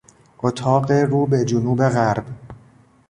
اتاق رو به جنوب غرب